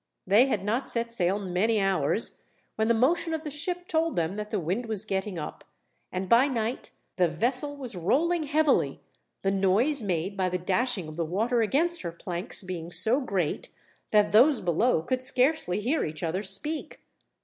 They had not set sail many hours, when the motion of the ship told them that the wind was getting up, and by night the vessel was rolling heavily, the noise made by the dashing of the water against her planks being so great, that those below could scarcely hear each other speak.